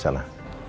sama gak disana